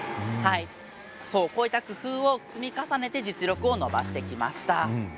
こういった工夫を積み重ねて実力を伸ばしてきました。